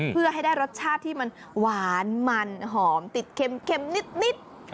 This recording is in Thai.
เพื่อให้ได้รสชาติที่มันหวานมันหอมติดเค็มนิด